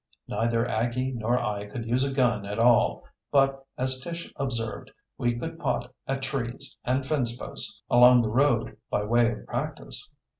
Neither Aggie nor I could use a gun at all, but, as Tish observed, we could pot at trees and fenceposts along the road by way of practice.